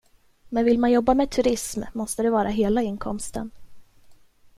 Men vill man jobba med turism måste det vara hela inkomsten.